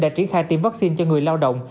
đã triển khai tiêm vaccine cho người lao động